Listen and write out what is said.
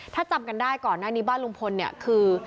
ถ้าจำกันได้ก่อนหน้านี้บ้านลุงพลเนี่ยคือ